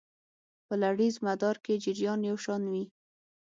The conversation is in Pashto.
په لړیز مدار کې جریان یو شان وي.